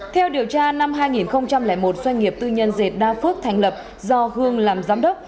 theo điều tra năm hai nghìn một doanh nghiệp tư nhân dệt đa phước thành lập do hương làm giám đốc